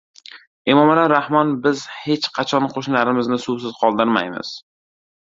Emomali Rahmon: «Biz hech qachon qo‘shnilarimizni suvsiz qoldirmaymiz»